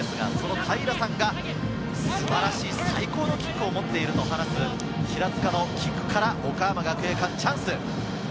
平さんが素晴らしい、最高のキックを持っていると話す、平塚のキックから、岡山学芸館はチャンス。